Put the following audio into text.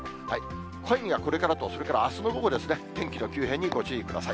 今夜これからと、それからあすの午後、天気の急変にご注意ください。